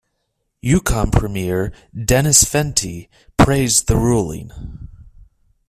Yukon premier Dennis Fentie praised the ruling.